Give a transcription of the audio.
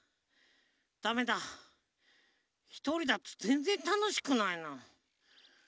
だめだひとりだとぜんぜんたのしくないな。